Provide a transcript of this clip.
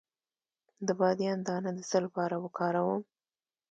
د بادیان دانه د څه لپاره وکاروم؟